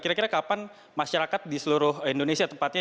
kira kira kapan masyarakat di seluruh indonesia tempatnya